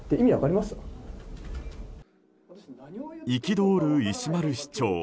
憤る石丸市長